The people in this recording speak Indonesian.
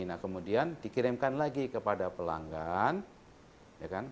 nah kemudian dikirimkan lagi kepada pelanggan